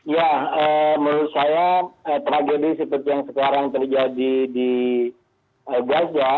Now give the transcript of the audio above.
ya menurut saya tragedi seperti yang sekarang terjadi di gaza